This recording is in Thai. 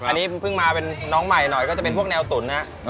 อันนี้เพิ่งมาเป็นน้องใหม่หน่อยก็จะเป็นพวกแนวตุ๋นฮะ